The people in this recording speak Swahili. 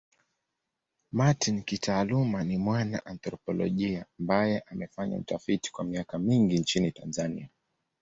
Martin kitaaluma ni mwana anthropolojia ambaye amefanya utafiti kwa miaka mingi nchini Tanzania.